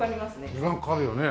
時間かかるよね。